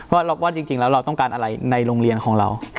ว่าจริงแล้วเราต้องการอะไรในโรงเรียนของเรา